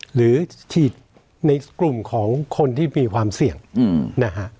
หรือฉีดในกลุ่มของคนที่มีความเสี่ยงนะฮะ